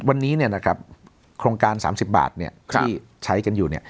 วันนี้โครงการ๓๐บาทที่ใช้กันอยู่